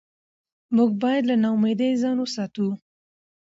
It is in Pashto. موږ باید له ناامیدۍ ځان وساتو